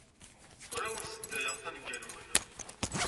Ur awen-sseddayeɣ tanegga-nwen.